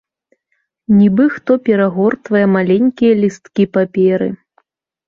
Нібы хто перагортвае маленькія лісткі паперы.